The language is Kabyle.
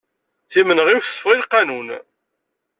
Timenɣiwt teffeɣ i lqanun.